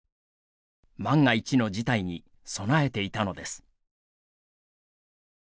万が一の事態に備えていたのです。